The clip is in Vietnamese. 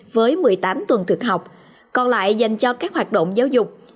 với một mươi tám tuần thực học còn lại dành cho các hoạt động giáo dục